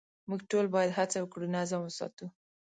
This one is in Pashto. موږ ټول باید هڅه وکړو نظم وساتو.